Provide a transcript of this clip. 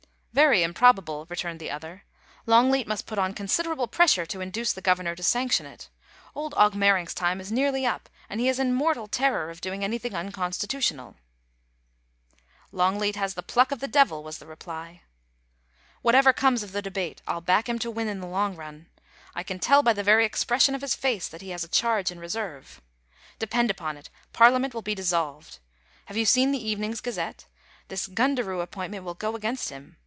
Very improbable,' returned the other. * Longleat must put on considerable pressure to induce the Governor to sanction it Old Augmering's time is nearly up, and he is in mortal terror of doing anything unconstitutional' * Longleat has the pluck of the devil,' was the reply. THE COUP UiTAT. 147 * Whatever comes of the debate, I'll back him to win in the long run. I can tell by the very expression of his face that he has a charge in reserve. Depend upon it, Parliament will be dissolved. Have you seen the evening's Gazette! This Gundaroo appointment will go against him.